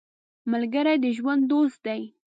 ملګری د ژوند دوست دی